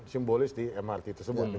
simbolis di mrt tersebut